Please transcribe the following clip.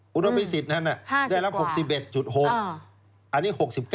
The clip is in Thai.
คุณอภิษฎนั้นได้รับ๖๑๖อันนี้๖๙